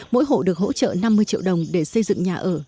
mỗi hộ được hỗ trợ năm mươi triệu đồng để xây dựng nhà ở